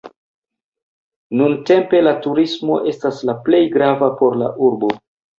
Nuntempe la turismo estas la plej grava por la urbo.